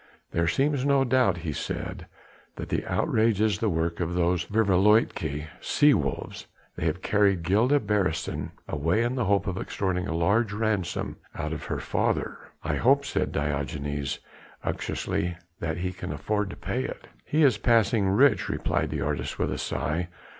"There seems no doubt," he said, "that the outrage is the work of those vervloekte sea wolves. They have carried Gilda Beresteyn away in the hope of extorting a huge ransom out of her father." "I hope," said Diogenes unctuously, "that he can afford to pay it." "He is passing rich," replied the artist with a sigh.